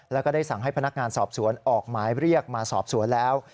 แล้วก็ได้สั่งให้พนักงานสอบสวนออกหมายเรียกมาสอบสวนแล้ว